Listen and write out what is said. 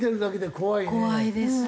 怖いですね。